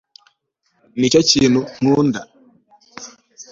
nicyo kintu nkunda